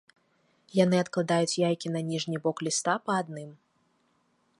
Яны адкладаюць яйкі на ніжні бок ліста па адным.